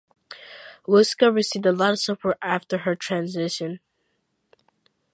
Wilska received a lot of support after his termination.